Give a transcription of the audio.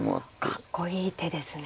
かっこいい手ですね。